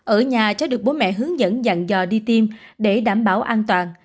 ở nhà sẽ được bố mẹ hướng dẫn dặn dò đi tiêm để đảm bảo an toàn